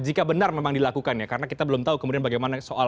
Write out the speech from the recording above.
jika benar memang dilakukan ya karena kita belum tahu kemudian bagaimana soal